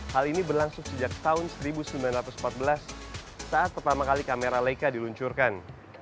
hal ini berlangsung sejak tahun seribu sembilan ratus empat belas saat pertama kali kamera leica diluncurkan